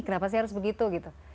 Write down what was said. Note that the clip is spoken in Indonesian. kenapa saya harus begitu gitu